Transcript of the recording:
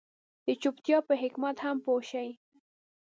د چوپتيا په حکمت هم پوه شي.